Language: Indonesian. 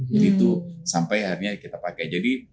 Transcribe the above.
jadi itu sampai hari ini kita pakai